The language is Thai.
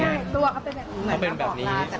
ใช่ตัวเขาเป็นแบบนี้